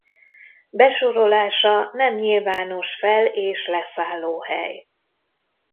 Besorolása nem nyilvános fel- és leszállóhely.